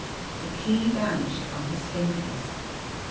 The key van ished from his fingers.